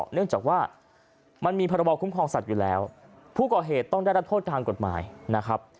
เนื่องจากว่ามันมีพรบคุ้มครองสัตว์อยู่แล้วผู้ก่อเหตุต้องได้รับโทษทางกฎหมายนะครับ